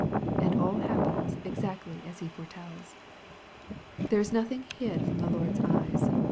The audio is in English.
And all happens exactly as He foretells. There is nothing hid from the Lord's eyes.